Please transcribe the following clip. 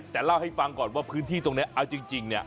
แต่เล่าให้ฟังก่อนว่าพื้นที่ตรงนี้เอาจริงเนี่ย